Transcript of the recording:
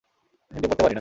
হিন্দি পড়তে পারিনা।